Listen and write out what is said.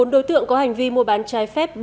bốn đối tượng có hành vi mua bán trái phép